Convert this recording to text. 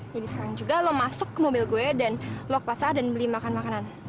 jadi sekarang juga lo masuk ke mobil gue dan lo ke pasar dan beli makan makanan